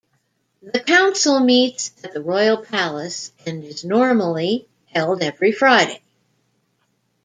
The council meets at the Royal Palace and is normally held every Friday.